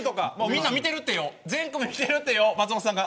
みんな見てるってよ。